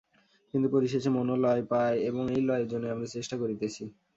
কিন্তু পরিশেষে মনও লয় পায়, এবং এই লয়ের জন্যই আমরা চেষ্টা করিতেছি।